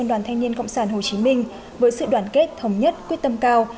đoàn thanh niên cộng sản hồ chí minh với sự đoàn kết thống nhất quyết tâm cao